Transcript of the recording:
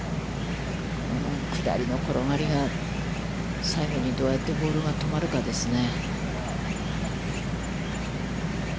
下りの転がりが、最後にどうやってボールが止まるかですね。